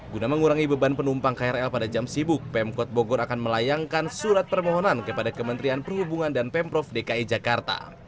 guna mengurangi beban penumpang krl pada jam sibuk pemkot bogor akan melayangkan surat permohonan kepada kementerian perhubungan dan pemprov dki jakarta